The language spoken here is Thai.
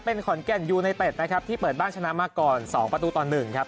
เป็นขอนแก่นยูไนเต็ดนะครับที่เปิดบ้านชนะมาก่อน๒ประตูต่อ๑ครับ